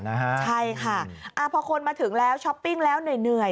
ใช่ค่ะพอคนมาถึงแล้วช้อปปิ้งแล้วเหนื่อย